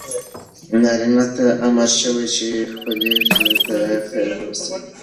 نارینه ته امر شوی چې خپلې ښځې ته خیر ورسوي.